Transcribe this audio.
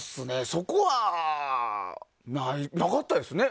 そこはないなかったですね。